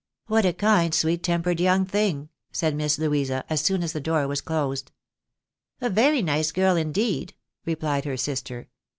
" What a kind, sweet tempered young thing !" said Miss Louisa, as soon as the door was closed. " A very nice girl indeed," replied her sister.